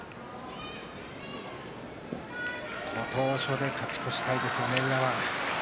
ご当所で勝ち越したいですね宇良は。